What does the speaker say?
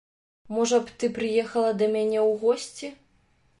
Можа б ты прыехала да мяне ў госці?